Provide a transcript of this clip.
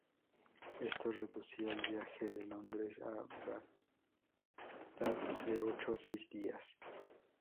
Esto reducía el viaje de Londres a Bagdad de ocho a seis días.